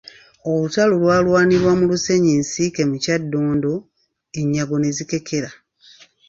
Olutalo lwalwanirwa mu lusenyi Nsiike mu Kyaddondo, ennyago ne zikekera.